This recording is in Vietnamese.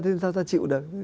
thì sao ta chịu được